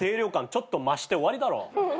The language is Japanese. ちょっと増して終わりだろ。